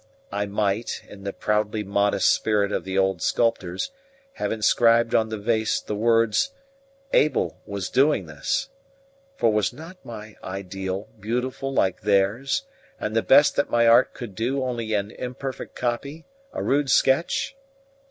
I might, in the proudly modest spirit of the old sculptors, have inscribed on the vase the words: Abel was doing this. For was not my ideal beautiful like theirs, and the best that my art could do only an imperfect copy a rude sketch?